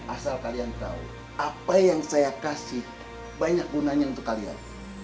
asal kalian tahu apa yang saya kasih banyak gunanya untuk kalian